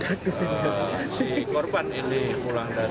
jadi kronologisnya pada saat